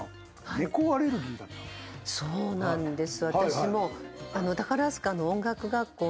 そうなんです。